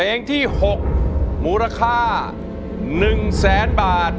เพลงที่๖มูลค่า๑๐๐๐๐๐บาท